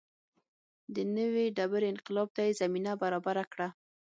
د نوې ډبرې انقلاب ته یې زمینه برابره کړه.